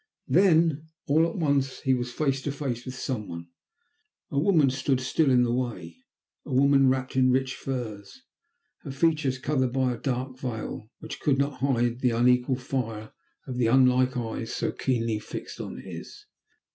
Then, all at once, he was face to face with some one. A woman stood still in the way, a woman wrapped in rich furs, her features covered by a dark veil which could not hide the unequal fire of the unlike eyes so keenly fixed on his.